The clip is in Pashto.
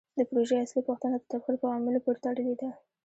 د پروژې اصلي پوښتنه د تبخیر په عواملو پورې تړلې ده.